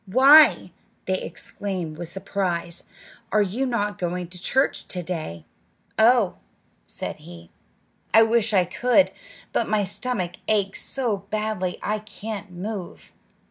"Why!" they exclaimed with surprise, "are you not going to church to day?" "Oh," said he, "I wish I could; but my stomach aches so badly I can't move!"